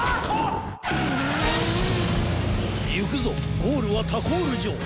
ゆくぞゴールはタコールじょう！